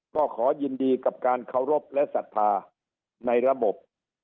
ก็ขอยินดีกับการเคารพและศรัทธาในระบบ